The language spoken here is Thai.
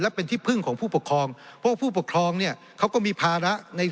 เป็นที่พึ่งของผู้ปกครองเพราะว่าผู้ปกครองเนี่ยเขาก็มีภาระใน